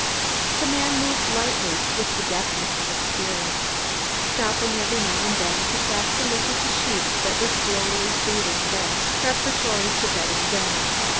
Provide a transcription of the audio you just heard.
The man moved lightly, with the deftness of experience, stopping every now and then to cast a look at the sheep that were slowly feeding back preparatory to bedding down.